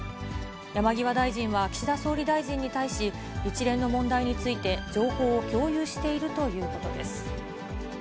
山際大臣は岸田総理大臣に対し、一連の問題について情報を共有しているということです。